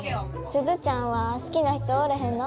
鈴ちゃんは好きな人おれへんの？